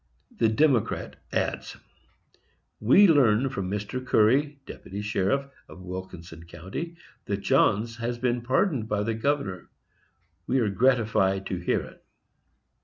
The Democrat adds: We learn from Mr. Curry, deputy sheriff, of Wilkinson County, that Johns has been pardoned by the governor. We are gratified to hear it.